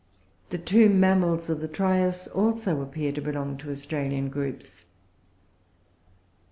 The two mammals of the Trias, also, appear to belong to Australian groups.